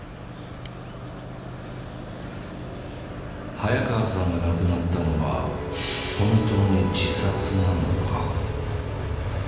早川さんが亡くなったのは本当に自殺なのか？